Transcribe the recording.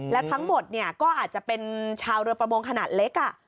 แล้วทั้งหมดก็อาจจะเป็นชาวเรือประมงขนาดเล็ก